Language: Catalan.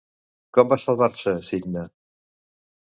Com va salvar-se Cicne?